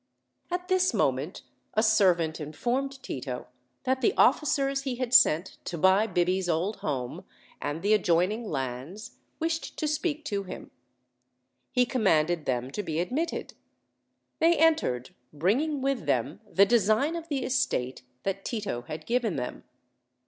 " At this moment a servant informed Tito that the officers he had sent to buy Biby's old home and the ad joining lands wished to speak to him. He commanded them to be admitted. They entered, bringing with them the design of the estate that Tito had given them.